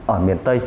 ở miền tây